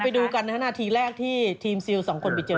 ไปดูกันนะครับนาทีแรกที่ทีมซิลสองคนไปเจอ